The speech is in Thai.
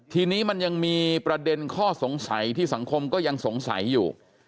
ทีนี้มันยังมีประเด็นข้อสงสัยที่สังคมก็ยังสงสัยอยู่